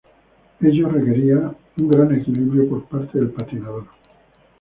Ello requería un gran equilibrio por parte del patinador.